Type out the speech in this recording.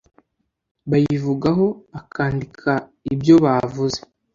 bayivugaho akandika ibyo bavuze